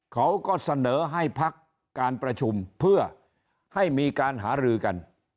เขาก็เสนอให้พักการประชุมเพื่อให้มีการหารือกัน